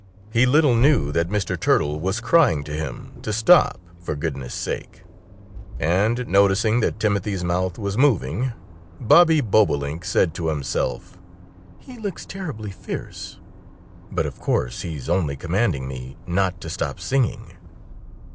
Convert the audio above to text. He little knew that Mr. Turtle was crying to him to stop, for goodness' sake! And noticing that Timothy's mouth was moving, Bobby Bobolink said to himself: "He looks terribly fierce; but of course he's only commanding me not to stop singing."